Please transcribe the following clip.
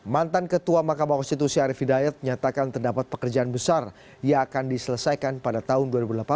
mantan ketua mahkamah konstitusi arief hidayat menyatakan terdapat pekerjaan besar yang akan diselesaikan pada tahun dua ribu delapan belas